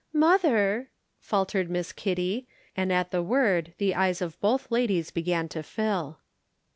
"Mother " faltered Miss Kitty, and at the word the eyes of both ladies began to fill.